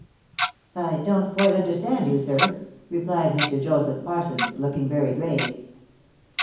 " I don't quite understand you, sir," replied Mr. Joseph Parsons, looking very grave.